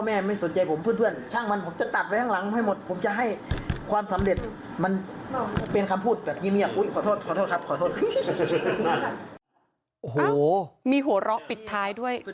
โอ้โหมีหัวเราะปิดท้ายด้วย